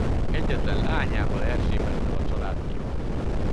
Egyetlen leányával Erzsébettel a család kihalt.